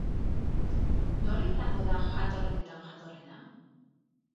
Nor izango da jatorrenetan jatorrena?